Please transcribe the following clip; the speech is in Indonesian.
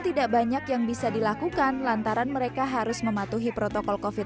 tidak banyak yang bisa dilakukan lantaran mereka harus mematuhi protokol covid sembilan belas